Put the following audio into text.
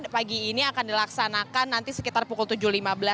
pagi ini akan dilaksanakan nanti sekitar pukul tujuh lima belas